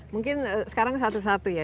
mungkin sekarang satu satu ya